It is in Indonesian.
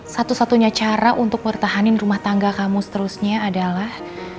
satu satunya cara untuk bertahanin rumah tangga kamu seterusnya adalah